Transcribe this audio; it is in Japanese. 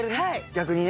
逆にね。